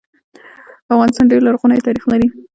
افغانستان ډير لرغونی تاریخ لري